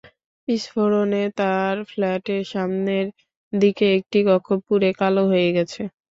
বিস্ফোরণে তাঁর ফ্ল্যাটের সামনের দিকের একটি কক্ষ পুড়ে কালো হয়ে গেছে।